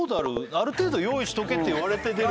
ある程度用意しとけって言われて出る。